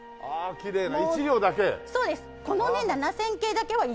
きれいな。